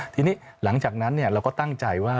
ทีนี้หลังจากนั้นเราก็ตั้งใจว่า